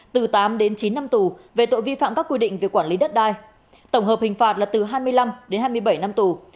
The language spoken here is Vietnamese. từ tám đến chín năm tù về tội vi phạm các quy định về quản lý đất đai tổng hợp hình phạt là từ hai mươi năm đến hai mươi bảy năm tù